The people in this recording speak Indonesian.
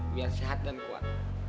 biar sehat dan kuat